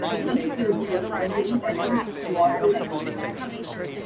The theme tune was Irving Berlin's "What'll I Do?".